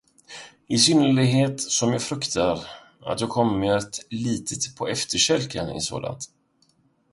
Isynnerhet som jag fruktar, att jag kommit litet på efterkälken i sådant.